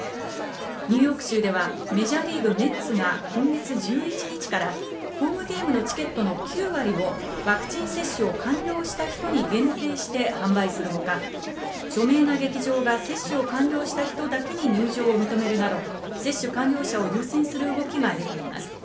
ニューヨーク州ではメジャーリーグ・メッツが今月１１日から、ホームゲームのチケットの９割をワクチン接種を完了した人に限定して販売するほか、著名な劇場が接種を完了した人だけに入場を認めるなど、接種完了者を優先する動きが出ています。